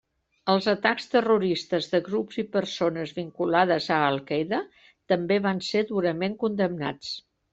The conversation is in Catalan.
Els atacs terroristes de grups i persones vinculades a Al-Qaeda també van ser durament condemnats.